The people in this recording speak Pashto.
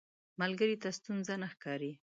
ملګری ته ستونزه مه ښکاري